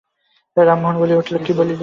রামমোহন বলিয়া উঠিল, কী বলিলি, নিমকহারাম?